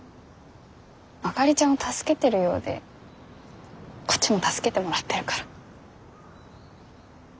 あかりちゃんを助けてるようでこっちも助けてもらってるから。